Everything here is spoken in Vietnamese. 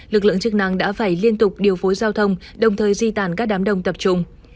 lực lượng chức năng đã phải liên tục điều phối giao thông đồng thời di tản các đám đông tập trung